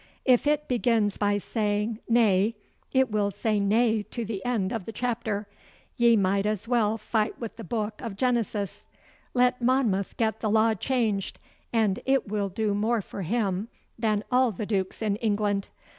If it begins by saying "nay" it will say "nay" to the end of the chapter. Ye might as well fight wi' the book o' Genesis. Let Monmouth get the law changed, and it will do more for him than all the dukes in England.